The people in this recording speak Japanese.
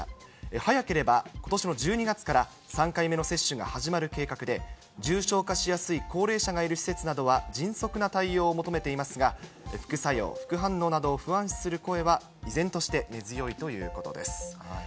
早ければ、ことしの１２月から３回目の接種が始まる計画で、重症化しやすい高齢者がいる施設などは迅速な対応を求めていますが、副作用、副反応を不安視する声は依然として根強いということです。